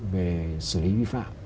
về xử lý vi phạm